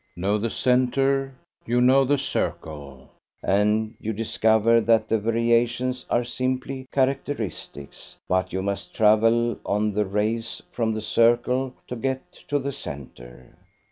Know the centre, you know the circle, and you discover that the variations are simply characteristics, but you must travel on the rays from the circle to get to the centre.